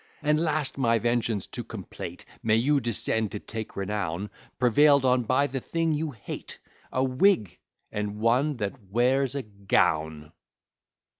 "And last, my vengeance to compleat, May you descend to take renown, Prevail'd on by the thing you hate, A Whig! and one that wears a gown!"